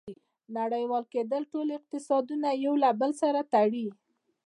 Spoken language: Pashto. • نړیوال کېدل ټول اقتصادونه یو له بل سره تړي.